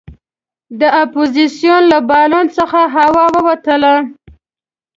د اپوزیسون له بالون څخه هوا ووتله.